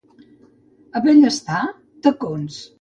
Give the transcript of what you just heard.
A Bellestar, tacons.